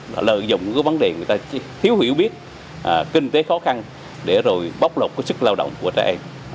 đã lợi dụng cái vấn đề người ta thiếu hiểu biết kinh tế khó khăn để rồi bóc lột cái sức lao động của trẻ em